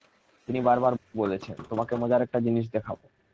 তিনি বারবার বলেছেন, তোমাকে মজার একটা জিনিস দেখাব।